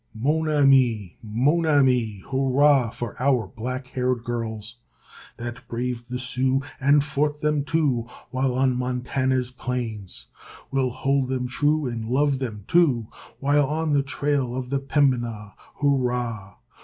Mon ami, mon ami, hurrah for our black haired girls! That braved the Sioux and fought them too, While on Montana's plains. We'll hold them true and love them too, While on the trail of the Pembinah, hurrah!